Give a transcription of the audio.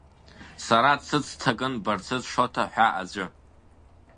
Сара дсыцҭакын Барцыц Шоҭа ҳәа аӡәы.